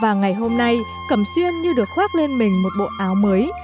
và ngày hôm nay cẩm xuyên như được khoác lên mình một bộ áo mới